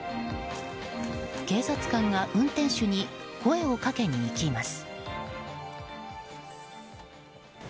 警察官が運転手に声をかけに行きます。